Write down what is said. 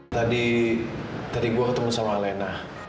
tadi dari gue ketemu sama alena